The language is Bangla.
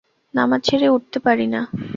নামাজ ছেড়ে উঠতে পারি না!